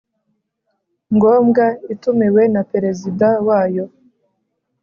ngombwa itumiwe na Perezida wayo